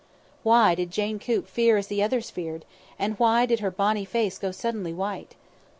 Why did Jane Coop fear as the others feared, and why did her bonny face go suddenly white?